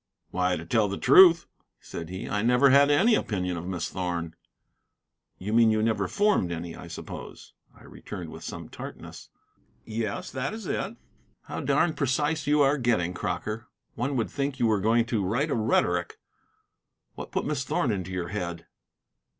"Why, to tell the truth," said he, "I never had any opinion of Miss Thorn." "You mean you never formed any, I suppose," I returned with some tartness. "Yes, that is it. How darned precise you are getting, Crocker! One would think you were going to write a rhetoric. What put Miss Thorn into your head?"